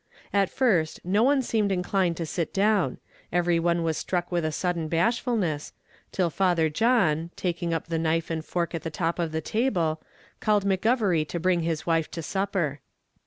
At first, no one seemed inclined to sit down; every one was struck with a sudden bashfulness, till Father John, taking up the knife and fork at the top of the table, called McGovery to bring his wife to supper.